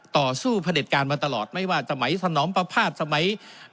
ต่อสู้พระเด็จการมาตลอดไม่ว่าสมัยสนอมประพาทสมัย